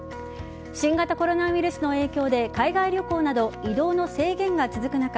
新型コロナウイルスの影響で海外旅行など移動の制限が続く中